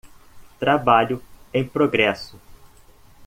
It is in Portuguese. Trabalho em progresso.